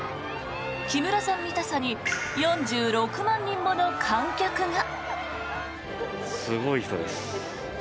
木村さん見たさに４６万人もの観客が。